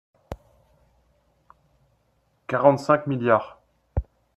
quarante-cinq milliards